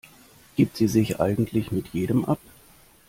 Gibt sie sich eigentlich mit jedem ab?